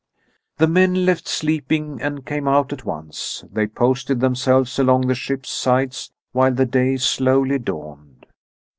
The men left sleeping and came out at once. They posted themselves along the ship's sides, while the day slowly dawned.